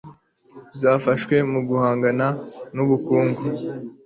Zafashwe muguhangana nubukungu